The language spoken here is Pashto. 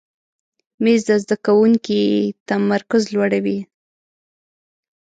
مېز د زده کوونکي تمرکز لوړوي.